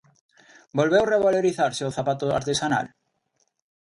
Volveu revalorizarse o zapato artesanal?